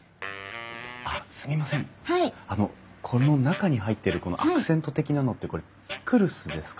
あのこの中に入ってるアクセント的なのってこれピクルスですか？